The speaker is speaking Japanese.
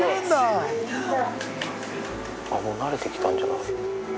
あっもうなれて来たんじゃない？